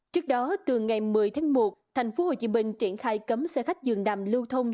trước đó từ ngày một mươi tháng một tp hcm triển khai cấm xe khách dường nằm lưu thông